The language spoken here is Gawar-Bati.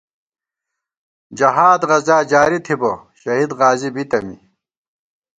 جہاد غزا جاری تھِبہ ، شہید غازی بِتہ می